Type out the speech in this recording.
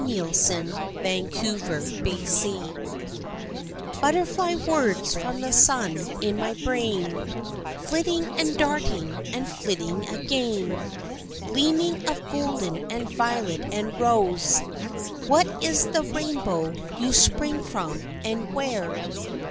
XXXI Butterfly Words Butterfly words from the sun in my brain, Flitting and darting and flitting again, Gleaming of golden and violet and rose, What is the rainbow you spring from, and where?